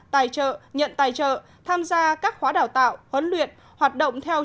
tài trợ nhận tài trợ tham gia các khóa đào tạo huấn luyện hoạt động theo chính phủ quốc gia việt nam lâm thời